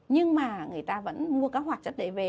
nhưng mà người ta vẫn mua các hoạt chất đấy về